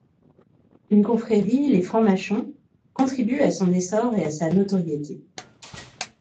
Une confrérie, les Francs-Mâchons, contribue à son essor et à sa notoriété.